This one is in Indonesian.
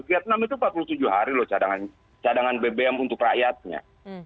vietnam itu empat puluh tujuh hari loh cadangan bbm untuk rakyatnya